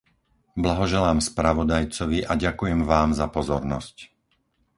Blahoželám spravodajcovi a ďakujem vám za pozornosť.